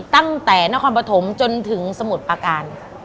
ตั้งแต่นครปฐมจนถึงสมุทรประการ